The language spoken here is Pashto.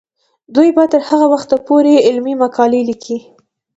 دوی به تر هغه وخته پورې علمي مقالې لیکي.